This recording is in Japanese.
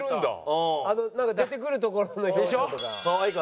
あの出てくるところの表情とか。